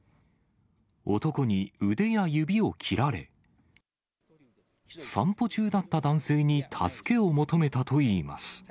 男に腕や指を切られ、散歩中だった男性に助けを求めたといいます。